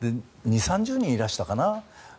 ２０３０人いらっしゃったかな。